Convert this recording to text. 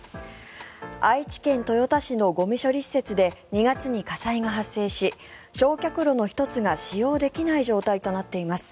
愛知県豊田市のゴミ処理施設で２月に火災が発生し焼却炉の１つが使用できない状態となっています。